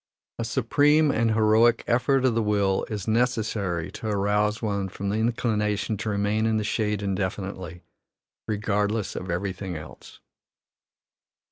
A supreme and heroic effort of the will is necessary to arouse one from the inclination to remain in the shade indefinitely, regardless of everything else.